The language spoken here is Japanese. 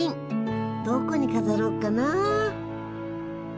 どこに飾ろうかな。